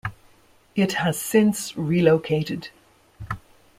It has since relocated.